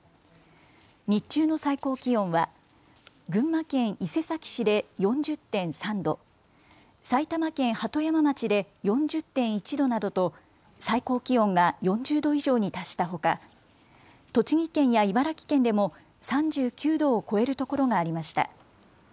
日中の最高気温は群馬県伊勢崎市で４０．３度、埼玉県鳩山町で４０．１度などと最高気温が４０度以上に達したほか栃木県や茨城県でも３９度を超えるところがありました。